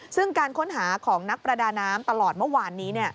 ซึ่งการค้นหาของนักประดาน้ำตลอดเมื่อวานนี้